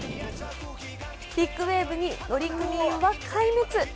ビッグウェーブに乗組員は壊滅。